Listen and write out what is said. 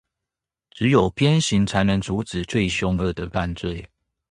只有鞭刑才能阻止最兇惡的犯罪